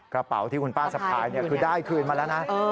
กระเป๋าที่คุณป้าสะพายคือได้คืนมาแล้วนะ